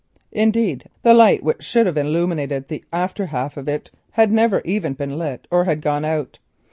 Indeed the light which should have illuminated the after half of it had either never been lit or had gone out.